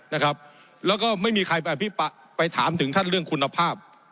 นะครับแล้วก็ไม่มีใครไปถามถึงท่านเรื่องคุณภาพ